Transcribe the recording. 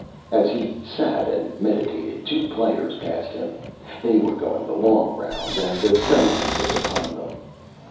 As he sat and Meditated, two Players passed him. They were going the Long Round, and the Frenzy was upon them.